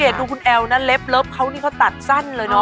ดูคุณแอวนะเล็บเขาเนี่ยเขาตัดชั้นเลยเนาะ